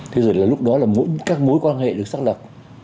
thế rồi là lúc đó là các mối quan hệ được xác lập